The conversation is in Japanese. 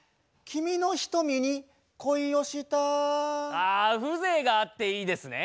あ風情があっていいですね。